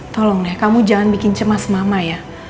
tolong deh kamu jangan bikin cemas mama ya